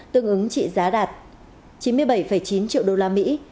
tương ứng trị giá đạt chín mươi bảy chín triệu đô la mỹ